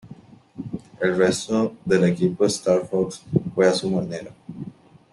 El resto del equipo Star Fox fue a su manera.